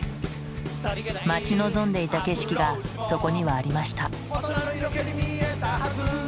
待ち望んでいた景色がそこにはありました。